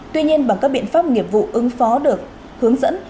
tuy nhiên bằng các biện pháp nghiệp vụ ứng phó được hướng dẫn